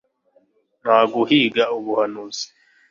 nta guhiga ubuhanuzi